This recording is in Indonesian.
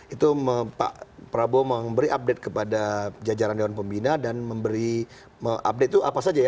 itu pak prabowo memberi update kepada jajaran dewan pembina dan memberi mengupdate itu apa saja ya